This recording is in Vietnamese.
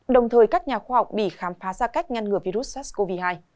đồng thời các nhà khoa học bỉ khám phá ra cách ngăn ngừa virus sars cov hai